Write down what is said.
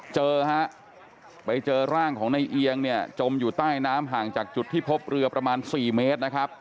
เจอฮะไปเจอร่างของในเอียงเนี่ยจมอยู่ใต้น้ำห่างจากจุดที่พบเรือประมาณ๔เมตรนะครับ